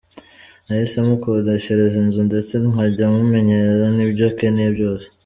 Nahise mukodeshereza inzu ndetse nkajya mumenyera nibyo akeneye byose.